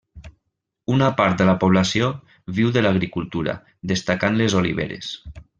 Una part de la població viu de l'agricultura, destacant les oliveres.